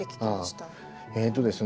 えとですね